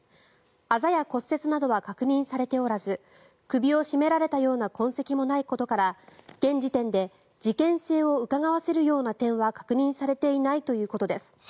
あざや骨折などは確認されておらず首を絞められたような痕跡もないことから現時点で事件性をうかがわせるような点は確認されていないということです。